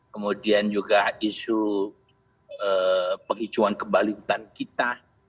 kemudian juga isu penghicauan kembali hutan kita